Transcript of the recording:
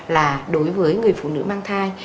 là đối với người phụ nữ mang thai